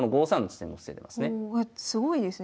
すごいですね